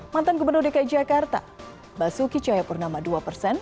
mantan gubernur dki jakarta basuki cahayapurnama dua persen